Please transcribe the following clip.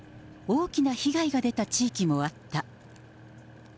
大きな被害が出た地域もあった。